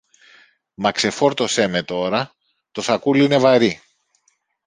Μα ξεφόρτωσε με τώρα, το σακούλι είναι βαρύ!